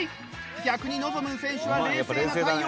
逆にのぞむん選手は冷静な対応。